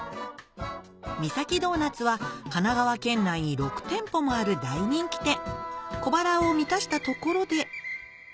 ミサキドーナツは神奈川県内に６店舗もある大人気店小腹を満たしたところで